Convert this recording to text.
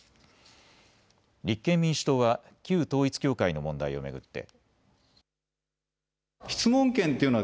立憲民主党は旧統一教会の問題を巡って。